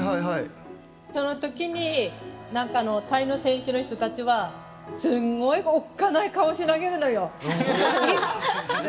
そのときに、タイの選手たちはすごいおっかない顔をして投げるのよ。